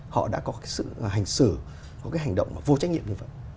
họ đã có cái sự hành xử có cái hành động mà vô trách nhiệm như vậy